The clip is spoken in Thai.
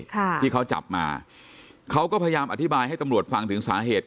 ค่ะที่เขาจับมาเขาก็พยายามอธิบายให้ตำรวจฟังถึงสาเหตุ